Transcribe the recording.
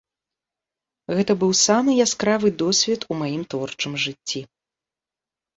Гэта быў самы яскравы досвед у маім творчым жыцці.